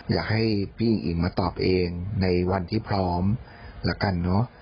อยากให้พี่อิงอิ๋งมาตอบเองในวันที่พร้อมแล้วกันเนอะ